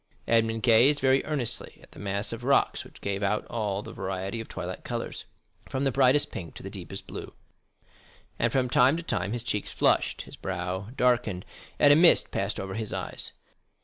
Edmond gazed very earnestly at the mass of rocks which gave out all the variety of twilight colors, from the brightest pink to the deepest blue; and from time to time his cheeks flushed, his brow darkened, and a mist passed over his eyes.